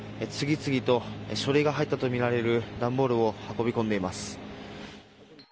次々と書類が入ったとみられる段ボールを運び込んでいます。